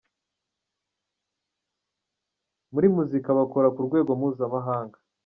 muri muzika bakora ku rwego mpuzamahanga.